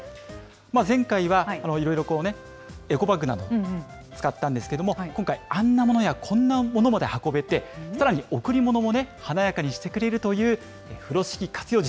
前回はいろいろこうね、エコバッグなど、使ったんですけども、今回、あんなものやこんなものまで運べて、さらに贈り物もね、華やかにしてくれるという風呂敷活用術。